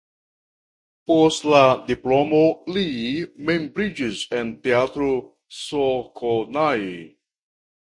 Post la diplomo li membriĝis en Teatro Csokonai (Debrecen).